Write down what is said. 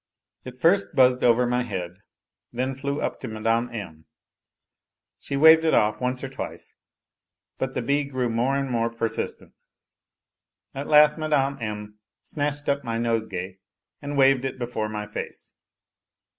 It first buzzed over my head, and then flew up to Mme. M. She Avaved it off once or twice, but the bee grew more and more persistent. At last Mme. M. snatched up my nosegay and waved it before my face.